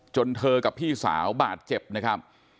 เธอกับพี่สาวบาดเจ็บนะครับ